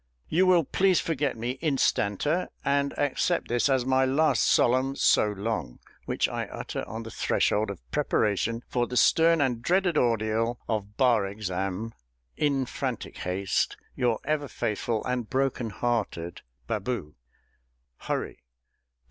You will please forget me instanter, and accept this as my last solemn so long, which I utter on the threshold of preparation for the stern and dreaded ordeal of Bar Exam. In frantic haste, Your ever faithful and broken hearted Baboo, HURRY.